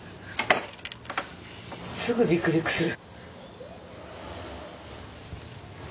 すぐビクビクする。